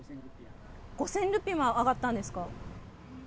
５０００ルピアも上がったんですか？